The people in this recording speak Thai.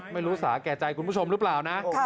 ไม่รู้สาแก่ใจคุณผู้ชมหรือเปล่านะ